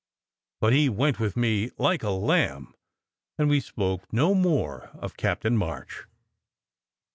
But he went with me like a lamb, and we spoke no more of Captain March.